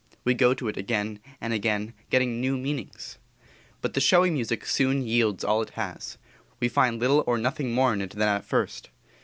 We go to it again and again, getting new meanings. But the showy music soon yields all it has; we find little or nothing more in it than at first.